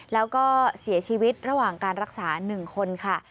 แล้วก็เสียชีวิตระหว่างการรักษา๑คนค่ะ